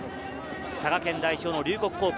佐賀県代表・龍谷高校。